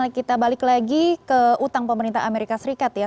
kita balik lagi ke utang pemerintah amerika serikat ya